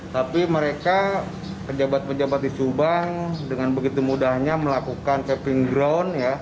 tapi mereka pejabat pejabat di subang dengan begitu mudahnya melakukan tapping ground ya